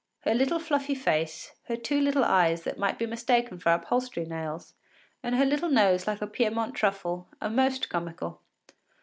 Her little fluffy face, her two little eyes that might be mistaken for upholstery nails, and her little nose like a Piedmont truffle, are most comical.